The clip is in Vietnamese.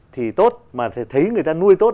thì tốt mà thấy người ta nuôi tốt